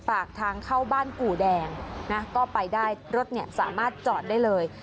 ปากทางเข้าบ้านกู่แดงนะก็ไปได้รถเนี่ยสามารถจอดได้เลย